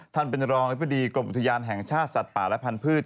ท่านเป็นรองอธิบดีกรมอุทยานแห่งชาติสัตว์ป่าและพันธุ์